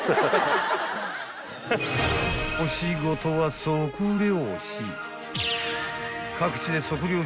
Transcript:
［お仕事は測量士］